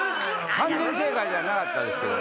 完全正解ではなかったですけど。